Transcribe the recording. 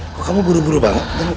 kok kamu buru buru banget